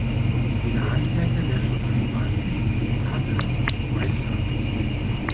Jeder Handwerker, der schon einmal Küchendienst hatte, weiß das.